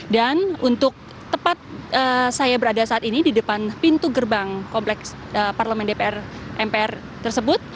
dan untuk tepat saya berada saat ini di depan pintu gerbang kompleks parlemen dpr mpr tersebut